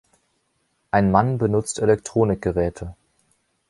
Ein Mann benutzt Elektronikgeräte.